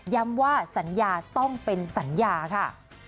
ว่าสัญญาต้องเป็นสัญญาค่ะ